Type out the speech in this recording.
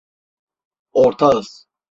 Ortağız.